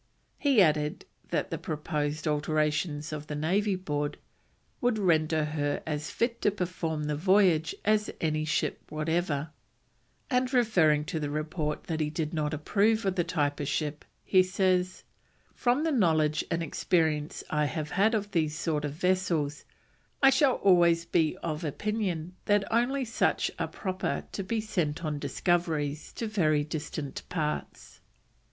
He added that the proposed alterations of the Navy Board would "render her as fit to perform the voyage as any ship whatever"; and, referring to the report that he did not approve of the type of ship, he says, "from the knowledge and experience I have had of these sort of vessels, I shall always be of opinion that only such are proper to be sent on Discoveries to very distant parts."